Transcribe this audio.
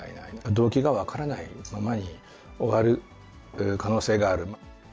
動機が分からないままに終わる可能性がある。